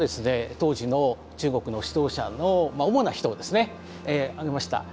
当時の中国の指導者の主な人をですね挙げました。